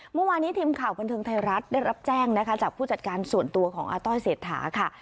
เมื่อวานนี้ทีมข่าวบันเทิงไทยรัฐได้รับแจ้งนะคะจากผู้จัดการส่วนตัวของอาต้อยเศรษฐาค่ะ